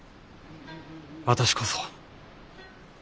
私こそ。